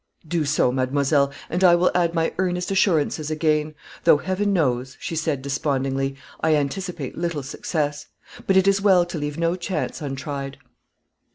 "Do so, mademoiselle, and I will add my earnest assurances again; though, heaven knows," she said, despondingly, "I anticipate little success; but it is well to leave no chance untried."